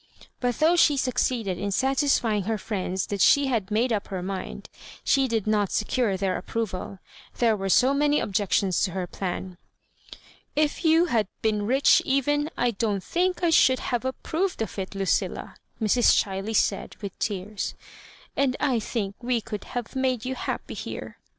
But though she succeeded in satisfying her friends that she had made up her mind, she did not secure their approval There were so many objections to her plan. " If you had been rich even, I don't think I should have approved of it, Lucilla," Mrs. Chiley said, with tears; "and I think we could have made you liappy here."